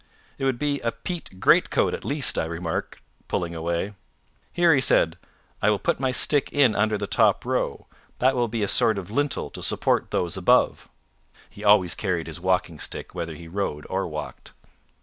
"It would be a peat greatcoat at least," I remarked, pulling away. "Here," he said, "I will put my stick in under the top row. That will be a sort of lintel to support those above." He always carried his walking stick whether he rode or walked.